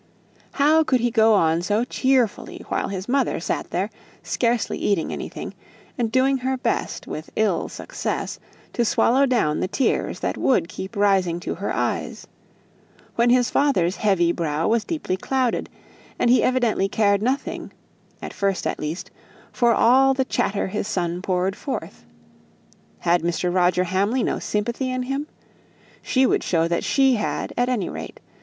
How could he go on so cheerfully while his mother sat there, scarcely eating anything, and doing her best, with ill success, to swallow down the tears that would keep rising to her eyes; when his father's heavy brow was deeply clouded, and he evidently cared nothing at first at least for all the chatter his son poured forth? Had Mr. Roger Hamley no sympathy in him? She would show that she had some, at any rate.